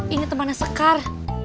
ini temannya sekar